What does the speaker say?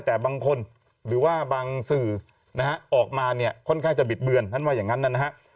แต่บางคนหรือว่าบางสื่อนะฮะออกมาเนี่ยค่อนข้างจะบิดเบือนท่านว่าอย่างนั้นนะฮะ